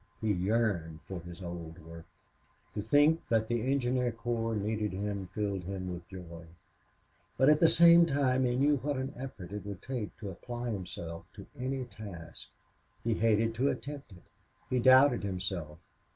He yearned for his old work. To think that the engineer corps needed him filled him with joy. But at the same time he knew what an effort it would take to apply himself to any task. He hated to attempt it. He doubted himself.